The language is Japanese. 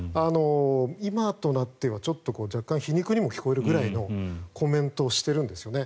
今となってはちょっと若干皮肉にも聞こえるぐらいのコメントをしているんですね。